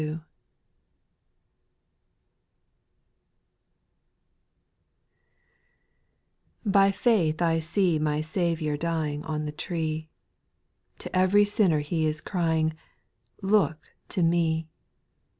TVY faith I see my Saviour dying JD On the tree ; To ev'ry sinner He is crying. Look to me.